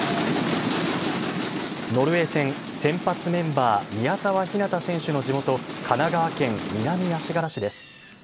ノルウェー戦、先発メンバー宮澤ひなた選手の地元神奈川県南足柄市です。